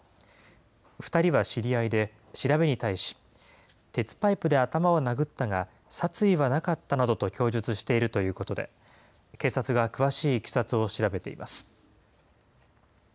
２人は知り合いで、調べに対し、鉄パイプで頭を殴ったが、殺意はなかったなどと供述しているということで、警察が詳しいいきさつを調べています。